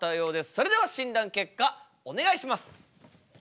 それでは診断結果お願いします！